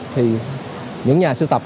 thì những nhà sưu tập